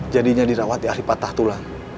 jadinya dirawati ahli patah tulang